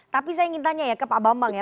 tapi saya ingin tanya ya ke pak bambang ya